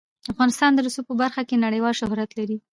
افغانستان د رسوب په برخه کې نړیوال شهرت لري.